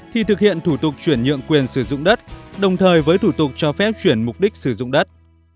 thì thực hiện thủ tục chuyển nhượng quyền sử dụng đất đồng thời với thủ tục cho phép chuyển mục đích sử dụng đất